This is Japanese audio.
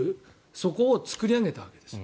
そこを作り上げたわけです。